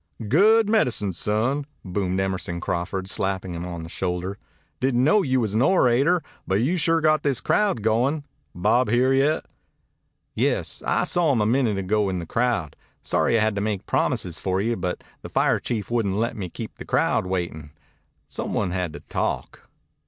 "Good medicine, son," boomed Emerson Crawford, slapping him on the shoulder. "Didn't know you was an orator, but you sure got this crowd goin'. Bob here yet?" "Yes. I saw him a minute ago in the crowd. Sorry I had to make promises for you, but the fire chief wouldn't let me keep the crowd waiting. Some one had to talk."